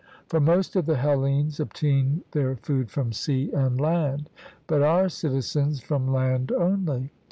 For most of the Hellenes obtain their food from sea and land, but our citizens from land only.